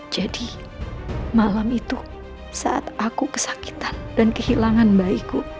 jadi malam itu saat aku kesakitan dan kehilangan bayiku